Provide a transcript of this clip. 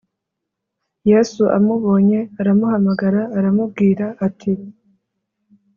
Yesu amubonye aramuhamagara aramubwira ati